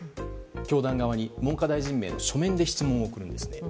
教団側に文科大臣名の書面で送るんですね。